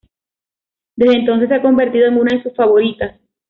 Desde entonces se ha convertido en una de sus favoritas.